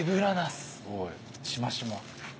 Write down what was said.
すごいしましま。